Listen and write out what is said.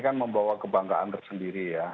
kan membawa kebanggaan tersendiri ya